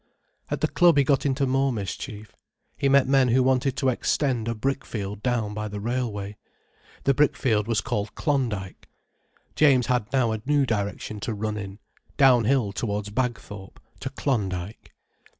At the club he got into more mischief. He met men who wanted to extend a brickfield down by the railway. The brickfield was called Klondyke. James had now a new direction to run in: down hill towards Bagthorpe, to Klondyke.